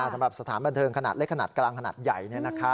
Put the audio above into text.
สำหรับสถานบันเทิงขนาดเล็กขนาดกลางขนาดใหญ่